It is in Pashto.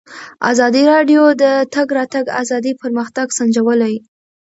ازادي راډیو د د تګ راتګ ازادي پرمختګ سنجولی.